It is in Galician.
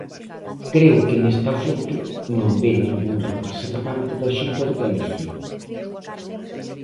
Creo que nesta foto non ve ningún representante da Xunta de Galicia.